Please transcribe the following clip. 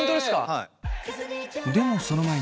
はい。